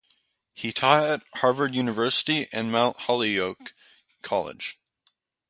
He taught at Harvard University and Mount Holyoke College.